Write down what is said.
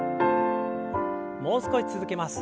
もう少し続けます。